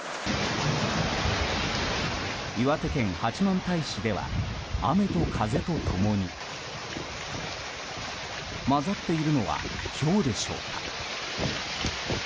岩手県八幡平市では雨と風と共に交ざっているのはひょうでしょうか。